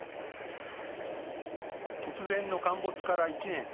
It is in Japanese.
突然の陥没から１年。